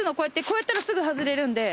こうやったらすぐ外れるんで。